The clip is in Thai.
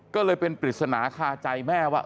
ก็เลยเป็นปริศนาคาใจแม่ว่า